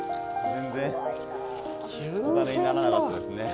全然お金にならなかったですね。